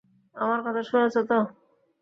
আমার কথা শুনেছো তো?